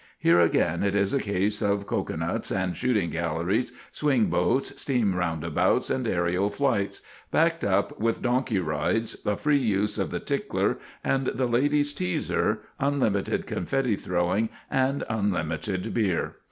Here, again, it is a case of cocoanuts, shooting galleries, swing boats, steam roundabouts, and aërial flights, backed up with donkey rides, a free use of the tickler and the ladies' teaser, unlimited confetti throwing, and unlimited beer.